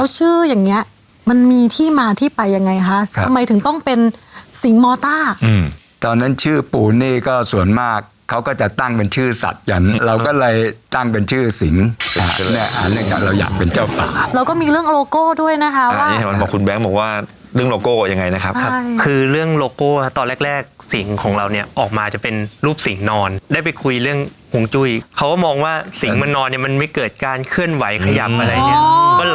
ชื่ออย่างเงี้ยมันมีที่มาที่ไปยังไงฮะครับทำไมถึงต้องเป็นสิงหมอต้าอืมตอนนั้นชื่อปูนี่ก็ส่วนมากเขาก็จะตั้งเป็นชื่อสัตว์อย่างนี้เราก็เลยตั้งเป็นชื่อสิงอ่าเนี้ยอ่าเนี้ยเราอยากเป็นเจ้าปากเราก็มีเรื่องโลโก้ด้วยนะคะว่าอ่านี่เห็นมันบอกคุณแบ๊งบอกว่าเรื่องโลโก้ยังไงนะครับใช่คือเรื่องโลโก้ฮะตอนแร